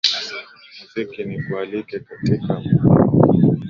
muziki nikualike katika maho